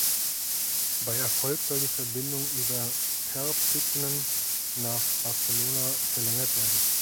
Bei Erfolg soll die Verbindung über Perpignan nach Barcelona verlängert werden.